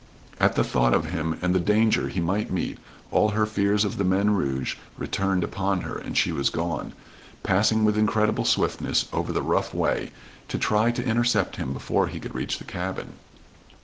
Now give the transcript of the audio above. At the thought of him, and the danger he might meet, all her fears of the men "rouge" returned upon her, and she was gone, passing with incredible swiftness over the rough way, to try to intercept him before he could reach the cabin.